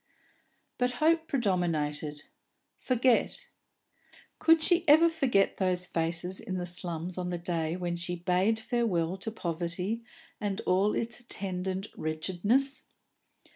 But hope predominated. Forget! Could she ever forget those faces in the slums on the day when she bade farewell to poverty and all its attendant wretchedness?